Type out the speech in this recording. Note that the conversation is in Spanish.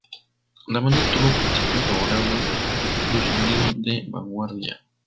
La banda obtuvo críticas favorables por su sonido de vanguardia.